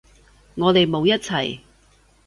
我哋冇一齊